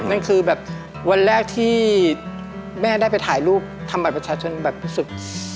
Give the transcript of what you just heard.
นั่นคือแบบวันแรกที่แม่ได้ไปถ่ายรูปทำบัตรประชาชนแบบที่สุด